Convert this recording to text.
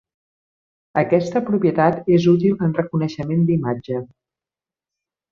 Aquesta propietat és útil en reconeixement d'imatge.